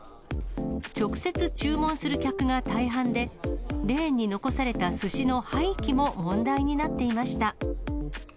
直接注文する客が大半で、レーンに残されたすしの廃棄も問題になっていました。